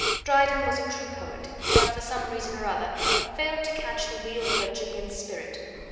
Dryden was a true poet, but, for some reason or other, he failed to catch the real Virgilian spirit.